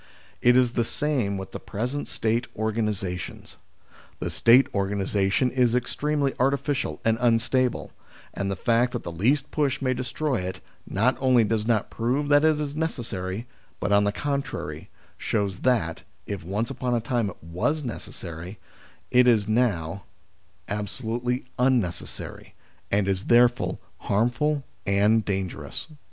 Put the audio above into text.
It is the same with the present State organisations. The State organi sation is extremely artificial and unstable, and the fact that the least push may destroy it, not only does not prove that it is necessary, but on the contrary shows that, if once upon a time it was necessary, it is now absolutely unnecessary, and is therefore harmful and dangerous. . WHAT ARE GOVERNMENTS?